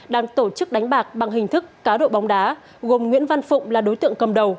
đang tổ chức đánh bạc bằng hình thức cá độ bóng đá gồm nguyễn văn phụng là đối tượng cầm đầu